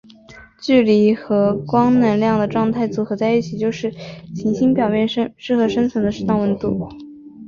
距离和光能量的状态组合在一起就是行星表面适合生命生存的适当温度。